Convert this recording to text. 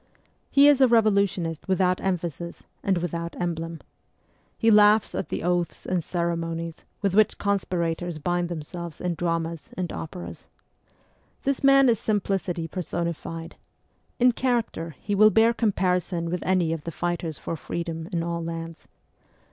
He is a revolutionist without emphasis and with out emblem. He laughs at the oaths and ceremonies with which conspirators bind themselves in dramas and operas. This man is simplicity personified. In character he will bear comparison with any of the fighters for freedom in all lands.